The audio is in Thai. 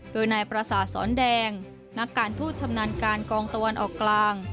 โดยนายประสาทสอนแดงนักการทูตชำนาญการกองตะวันออกกลาง